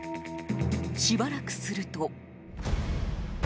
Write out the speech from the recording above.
しばらくすると。